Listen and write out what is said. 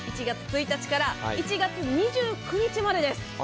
１月１日から１月２９日までです。